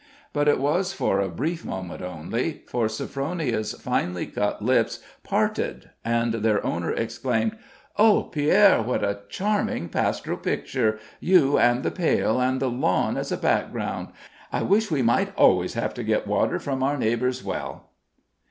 But it was for a brief moment only, for Sophronia's finely cut lips parted and their owner exclaimed: "Oh, Pierre! What a charming pastoral picture you and the pail, and the lawn as a background! I wish we might always have to get water from our neighbor's, well."